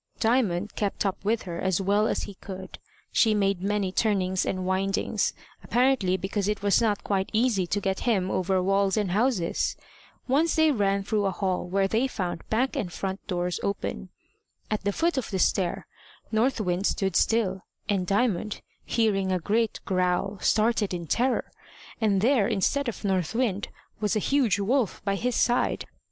Diamond kept up with her as well as he could. She made many turnings and windings, apparently because it was not quite easy to get him over walls and houses. Once they ran through a hall where they found back and front doors open. At the foot of the stair North Wind stood still, and Diamond, hearing a great growl, started in terror, and there, instead of North Wind, was a huge wolf by his side.